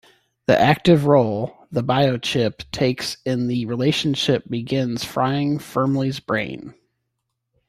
The active role the bio-chip takes in the relationship begins frying Firmley's brain.